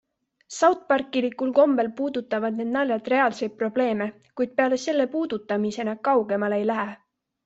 Southparkilikul kombel puudutavad need naljad reaalseid probleeme, kuid peale selle puudutamise nad kaugemale ei lähe.